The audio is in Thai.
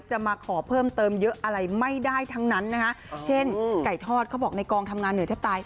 มาขอเพิ่มเติมเยอะอะไรไม่ได้ทั้งนั้นนะคะเช่นไก่ทอดเขาบอกในกองทำงานเหนือแทบตาย